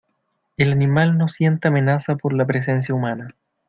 el animal no siente amenaza por la presencia humana.